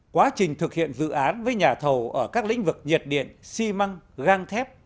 quá trình thực hiện dự án với nhà thầu ở các lĩnh vực nhiệt điện xi măng gang thép